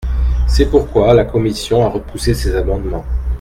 C’est pourquoi la commission a repoussé ces amendements.